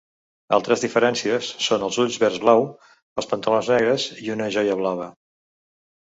Altres diferències són els ulls verds blau, els pantalons negres i una joia blava.